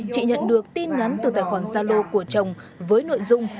chị nhận được tin ngắn từ tài khoản zalo của chồng với nội dung